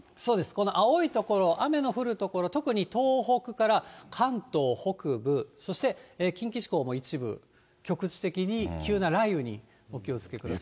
この青い所、雨の降る所、特に東北から関東北部、そして近畿地方の一部、局地的に急な雷雨にお気をつけください。